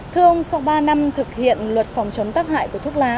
thưa ông sau ba năm thực hiện luật phòng chống tác hại của thuốc lá